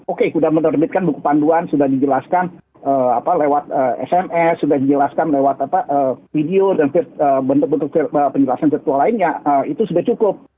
oke sudah menerbitkan buku panduan sudah dijelaskan lewat sms sudah dijelaskan lewat video dan bentuk bentuk penjelasan virtual lainnya itu sudah cukup